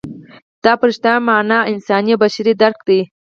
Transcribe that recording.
دا په رښتینې مانا انساني او بشري درک دی.